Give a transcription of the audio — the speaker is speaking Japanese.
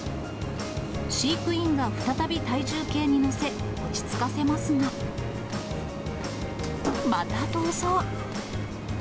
飼育員が再び体重計に乗せ、落ち着かせますが、また逃走。